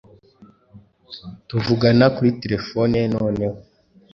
Tuvugana kuri telephone noneho